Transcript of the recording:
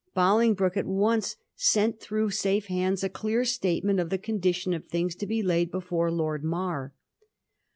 Bolingbroke at once sent through safe hands a clear statement of the condition of things, to be laid before Lord Mar.